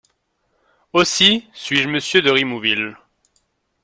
Aussi, suis-je Monsieur de Rimouville.